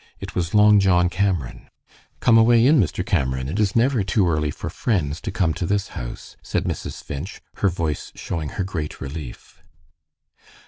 It was Long John Cameron. "Come away in, Mr. Cameron. It is never too early for friends to come to this house," said Mrs. Finch, her voice showing her great relief.